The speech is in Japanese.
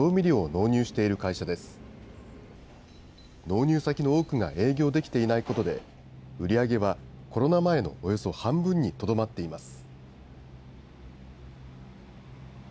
納入先の多くが営業できていないことで、売り上げはコロナ前のおよそ半分にとどまっています。